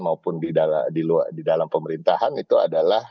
maupun di dalam pemerintahan itu adalah